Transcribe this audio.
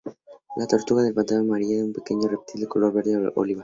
La tortuga de pantano amarilla es un pequeño reptil de color verde oliva.